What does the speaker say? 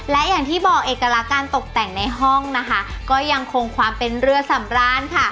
และอย่างที่บอกเอกลักษณ์การตกแต่งในห้องนะคะก็ยังคงความเป็นเรือสำราญค่ะ